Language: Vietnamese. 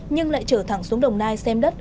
nhưng lại chở thẳng xuống đồng nai xem đất